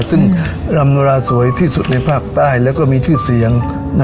ซึ่งรำราสวยที่สุดในภาคใต้แล้วก็มีชื่อเสียง